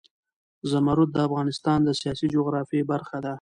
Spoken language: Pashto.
زمرد د افغانستان د سیاسي جغرافیه برخه ده.